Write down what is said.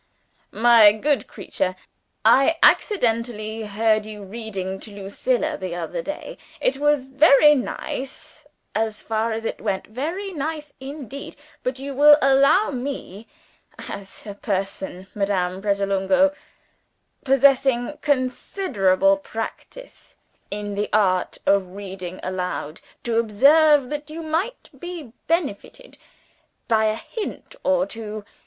"My good creature, I accidentally heard you reading to Lucilla, the other day. It was very nice, as far as it went very nice indeed. But you will allow me as a person, Madame Pratolungo, possessing considerable practice in the art of reading aloud to observe that you might be benefited by a hint or two.